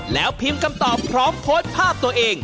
แล้วพิมพ์คำตอบพร้อมโพสต์ภาพตัวเอง